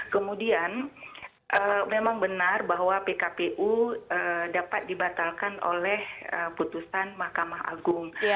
kemudian memang benar bahwa pkpu dapat dibatalkan oleh putusan mahkamah agung